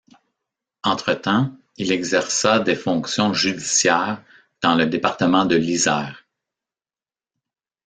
Entretemps, il exerça des fonctions judiciaires dans le département de l'Isère.